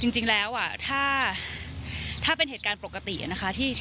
จริงแล้วถ้าเป็นเหตุการณ์ปกตินะคะ